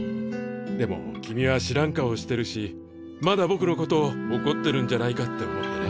でも君は知らん顔してるしまだぼくのことをおこってるんじゃないかって思ってね。